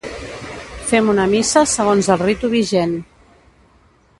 Fem una missa segons el ritu vigent.